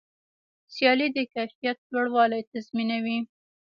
سیالي د کیفیت لوړوالی تضمینوي.